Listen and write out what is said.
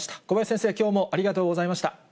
小林先生、きょうもありがとうございました。